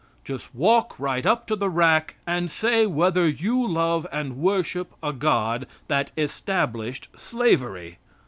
Just walk right up to the rack and say whether you love and worship a God that established slavery.